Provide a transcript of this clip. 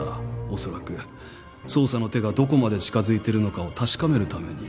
おそらく捜査の手がどこまで近づいているのかを確かめるために。